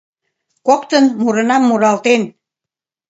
Коктын, мурынам муралтен.